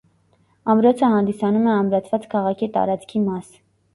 Ամրոցը հանդիսանում է ամրացված քաղաքի տարածքի մաս։